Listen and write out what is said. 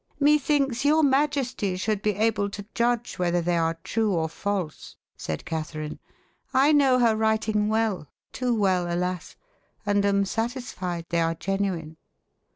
"Methinks your majesty should be able to judge whether they are true or false," said Catherine. "I know her writing well too well, alas! and am satisfied they are genuine."